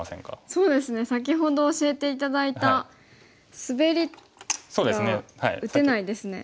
そうですね先ほど教えて頂いたスベリが打てないですね。